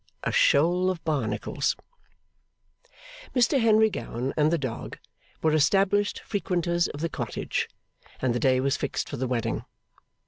A Shoal of Barnacles Mr Henry Gowan and the dog were established frequenters of the cottage, and the day was fixed for the wedding.